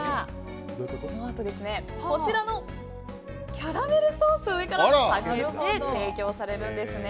このあと、こちらのキャラメルソースを上からかけて提供されるんですね。